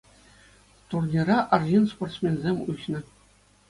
Турнира арҫын-спортсменсем уҫнӑ.